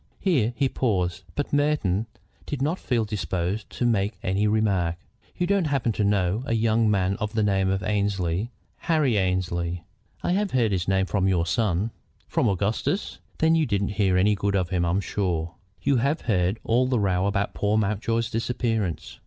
Here he paused, but Merton did not feel disposed to make any remark. "You don't happen to know a young man of the name of Annesley, Harry Annesley?" "I have heard his name from your son." "From Augustus? Then you didn't hear any good of him, I'm sure. You have heard all the row about poor Mountjoy's disappearance?"